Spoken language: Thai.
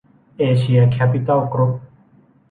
เอเชีย แคปปิตอล กรุ๊ป